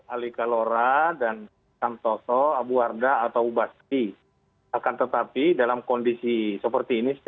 alikalora dan santoso abu arda atau ubaski akan tetapi dalam kondisi seperti ini